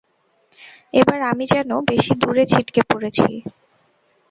এবার আমি যেন বেশি দূরে ছিটকে পড়েছি।